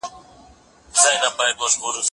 زه هره ورځ موبایل کاروم؟!